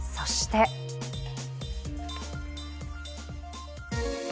そして。